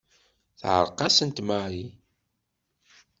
Teɛreq-asent Mary.